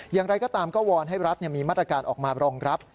อย่างไรก็ตามก็วอนให้รัฐมีมาตรการออกมารองรับ